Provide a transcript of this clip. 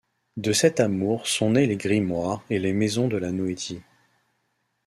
De cet amour sont nés les grimoires et les maisons de la Noétie.